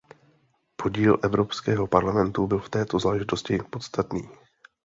Podíl Evropského parlamentu byl v této záležitosti podstatný.